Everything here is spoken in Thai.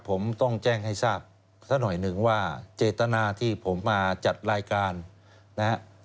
ผมต้องแจ้งให้ทราบซะหน่อยหนึ่งว่าเจตนาที่ผมมาจัดรายการนะฮะ